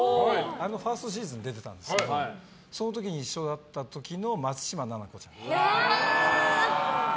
あのファーストシーズンに出てたんですけどその時に一緒だった松嶋菜々子ちゃん。